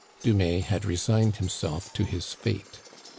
Dumais had resigned himself to his fate.